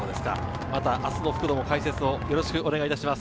明日の復路も解説、よろしくお願いします。